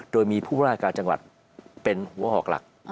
โดยมีผู้ราชการจังหวัดเป็นหัวออกหลัก